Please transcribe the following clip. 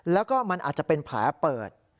แล้วก็มันอาจจะเป็นแผลเปิด